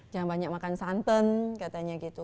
jangan banyak makan santan katanya gitu